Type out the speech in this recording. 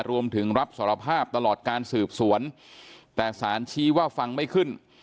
รวมถึงรับสารภาพตลอดการสืบสวนแต่สารชี้ว่าฟังไม่ขึ้น